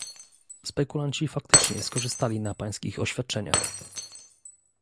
Spekulanci faktycznie skorzystali na pańskich oświadczeniach